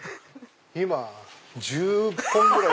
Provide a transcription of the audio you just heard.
今１０本ぐらい。